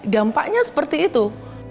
dampaknya seperti itu